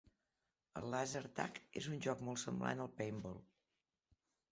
El Làser Tag és un joc molt semblant al paintball.